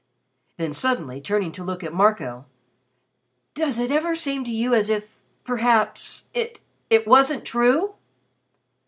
Then suddenly turning to look at Marco, "Does it ever seem to you as if, perhaps, it it wasn't true?"